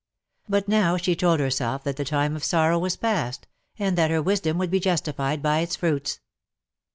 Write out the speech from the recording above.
But now she told herself that the time of sorrow was pastj and that her wisdom would be justified by its fruits.